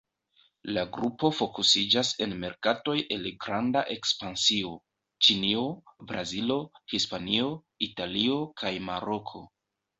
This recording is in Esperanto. La grupo fokusiĝas en merkatoj el granda ekspansio: Ĉinio, Brazilo, Hispanio, Italio kaj Maroko.